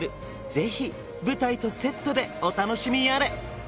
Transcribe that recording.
ぜひ舞台とセットでお楽しみあれ！